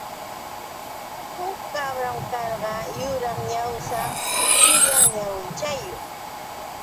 Huk kabran karqa yuraq ñawsa chullan ñawichayuq.